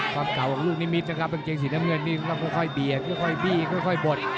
ความเก่านิมิตนะครับแจงสีน้ำเงินมันค่อยข้ายเบียนค่อยบีบค่อยข้อยบด